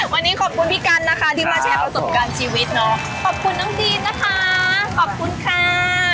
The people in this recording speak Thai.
วันนี้ขอบคุณพี่กันนะคะที่มาแชร์ประสบการณ์ชีวิตเนาะขอบคุณน้องจีนนะคะขอบคุณค่ะ